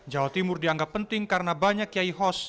jawa timur dianggap penting karena banyak kiai hos